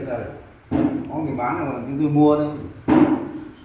có người bán thì chúng tôi mua đây